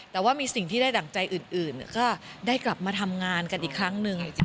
แต่ว่ามีสิ่งที่ได้ดั่งใจอื่นก็ได้กลับมาทำงานกันอีกครั้งหนึ่ง